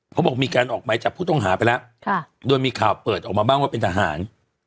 เขาบอกมีการออกหมายจับผู้ต้องหาไปแล้วโดยมีข่าวเปิดออกมาบ้างว่าเป็นทหาร